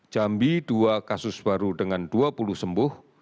jambi dua kasus baru dengan dua puluh sembuh